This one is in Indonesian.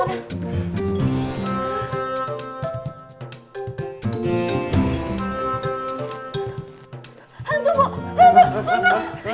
hantu bu hantu hantu